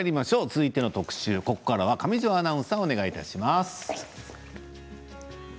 続いての特集、ここからは上條アナウンサーです。